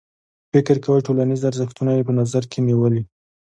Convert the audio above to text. فکر کوي ټولنیز ارزښتونه یې په نظر کې نیولي.